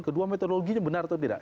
kedua metodologinya benar atau tidak